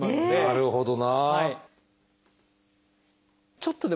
なるほど。